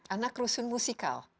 anak rusun musikal